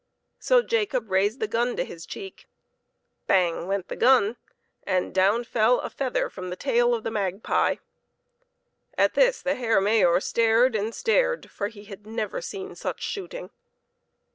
So Jacob raised the gun to his cheek. Bang! went 2 PEPPER AND SALT. the gun, and down fell a feather from the tail of the magpie. At this the Herr Mayor stared and stared, for he had never seen such shooting.